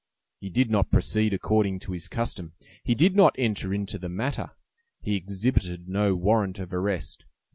He did not proceed according to his custom, he did not enter into the matter, he exhibited no warrant of arrest.